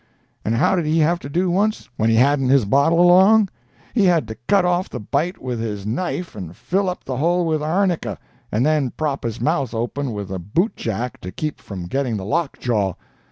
And how did he have to do once, when he hadn't his bottle along? He had to cut out the bite with his knife and fill up the hole with arnica, and then prop his mouth open with the boot jack to keep from getting the lockjaw.